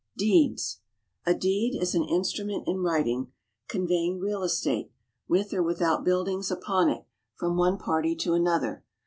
=Deeds.= A deed is an instrument in writing, conveying real estate, with or without buildings upon it, from one party to another.